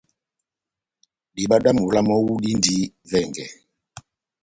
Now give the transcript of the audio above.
Diba dá mola mɔ́wu dindi vɛngɛ.